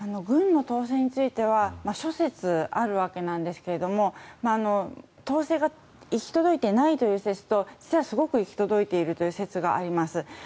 軍の統制については諸説あるわけなんですが統制が行き届いていないという説とすごく行き届いているという説があります。